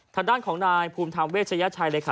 ทางด้านของนายภูมิธรรมเวชยชัยเลยค่ะ